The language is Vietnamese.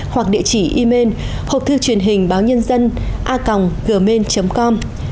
hoặc địa chỉ email hộp thư truyền hình báo nhân dân a gmain com